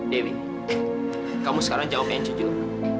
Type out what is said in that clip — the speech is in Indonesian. dewi kamu sekarang jawab yang jujur